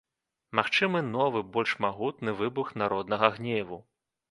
Магчымы новы, больш магутны выбух народнага гневу.